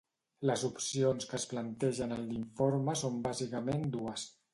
Les opcions que es plantegen en l’informe són bàsicament dues.